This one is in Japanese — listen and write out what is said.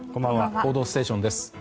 「報道ステーション」です。